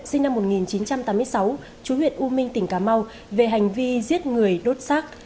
sinh năm một nghìn chín trăm tám mươi sáu chú huyện u minh tỉnh cà mau về hành vi giết người đốt xác